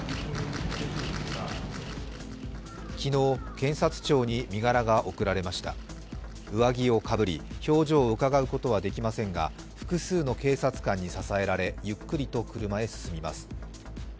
昨日、検察庁に身柄が送られました上着をかぶり表情をうかがうことはできませんが複数の警察官に支えられゆっくりと車へ進みます。